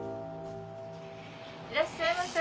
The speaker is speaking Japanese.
いらっしゃいませ。